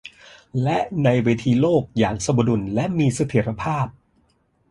และในเวทีโลกอย่างสมดุลและมีเสถียรภาพ